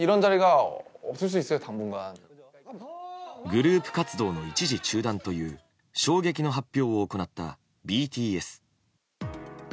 グループ活動の一時中断という衝撃の発表を行ったＢＴＳ。